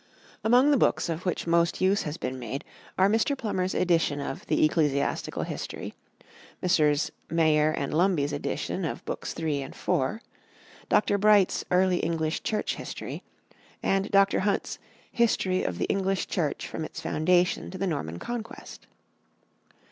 Among the books of which most use has been made, are Mr. Plummer's edition of the "Ecclesiastical History," Messrs. Mayor and Lumby's edition of Books III and IV, Dr. Bright's "Early English Church History," and Dr. Hunt's "History of the English Church from its foundation to the Norman Conquest."